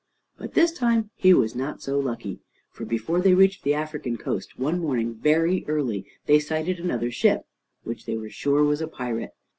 But this time he was not so lucky, for before they reached the African coast, one morning, very early, they sighted another ship, which they were sure was a pirate.